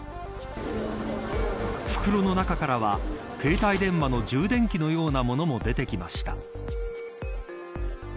袋の中からは携帯電話の充電器のようなものも出てきました。